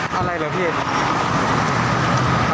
การกันก่อนครับ